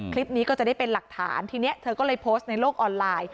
คลิปนี้ก็จะได้เป็นหลักฐานทีนี้เธอก็เลยโพสต์ในโลกออนไลน์